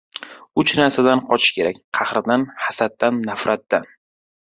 Uch narsadan qochish kerak: qahrdan, hasaddan, nafratdan.